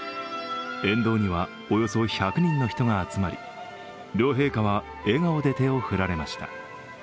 沿道にはおよそ１００人の人が集まり両陛下は笑顔で手を振られました。